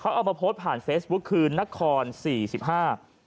เอามาโพสต์ผ่านเฟซบุ๊คคืนนครสี่สิบห้า